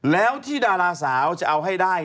แล้วที่ดาราสาวจะเอาให้ได้